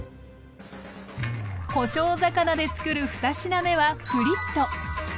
こしょう魚でつくる二品目はフリット。